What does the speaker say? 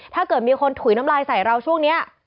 ถ้าเกิดมีคนถุยน้ำลายใส่เราช่วงนี้